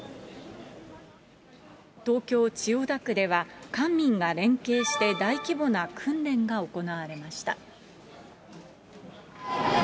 東京・千代田区では、官民が連携して大規模な訓練が行われました。